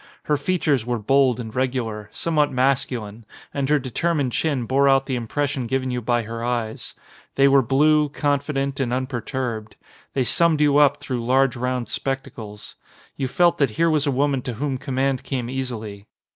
Her features were bold and regular, somewhat masculine, and her determined chin bore out the impression given you by her eyes. They were blue, confident, and unperturbed. They summed you up through large round spectacles. You felt that here was a woman to whom com mand came easily.